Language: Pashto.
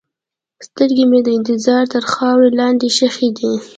سترګې مې د انتظار تر خاورو لاندې ښخې دي.